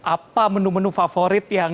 apa menu menu favorit yang